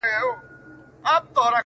پرواز په پردي وزر -